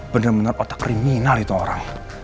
bener bener otak kriminal itu orang